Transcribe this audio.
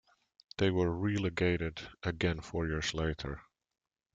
They were relegated again four years later.